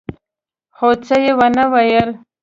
خو څه يې ونه ويل.